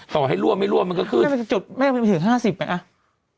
ต่อให้ร่วมไม่ร่วมมันก็ขึ้นไม่ถึง๕๐ไหมอ่ะ